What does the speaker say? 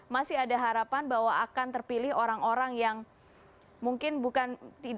masih ada harapan bahwa akan terpilih orang orang yang mungkin bukan